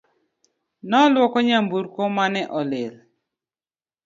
Noluoko nyamburko mane olil